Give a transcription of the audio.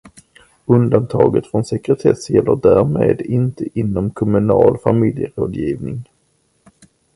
Undantaget från sekretess gäller därmed inte inom kommunal familjerådgivning.